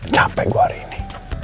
capa iguar ini